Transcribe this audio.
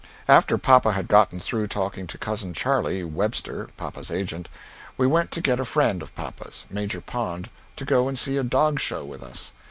After papa had gotten through talking to Cousin Charlie, [Webster] papa's agent, we went to get a friend of papa's, Major Pond, to go and see a Dog Show with us.